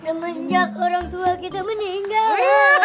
semenjak orang tua kita meninggal